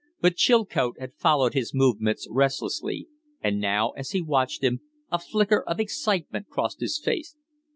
But Chilcote had followed his movements restlessly; and now, as he watched him, a flicker of excitement crossed his face.